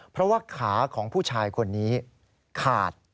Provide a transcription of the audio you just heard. เพราะว่าขาของผู้ชายคนนี้ขาด